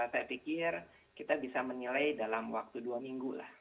saya pikir kita bisa menilai dalam waktu dua minggu lah